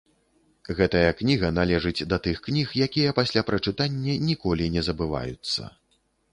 Гэтая кніга належыць да тых кніг, якія пасля прачытання ніколі не забываюцца.